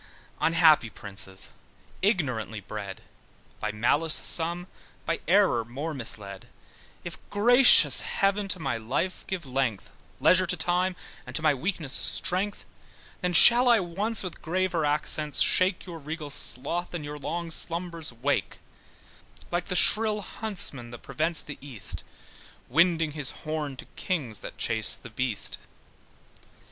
Unhappy princes, ignorantly bred, By malice some, by error more misled, If gracious heaven to my life give length, Leisure to time, and to my weaknes strength, Then shall I once with graver accents shake Your regal sloth, and your long slumbers wake: Like the shrill huntsman that prevents the east, Winding his horn to kings that chase the beast.